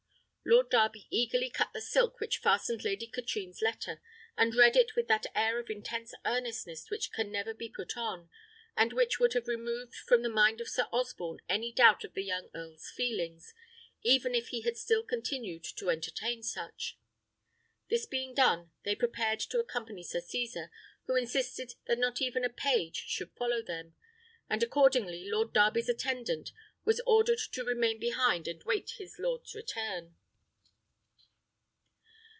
Lord Darby eagerly cut the silk which fastened Lady Katrine's letter, and read it with that air of intense earnestness which can never be put on, and which would have removed from the mind of Sir Osborne any doubt of the young earl's feelings, even if he had still continued to entertain such. This being done, they prepared to accompany Sir Cesar, who insisted that not even a page should follow them; and accordingly Lord Darby's attendant was ordered to remain behind and wait his lord's return.